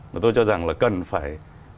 mà tôi cho rằng là cần phải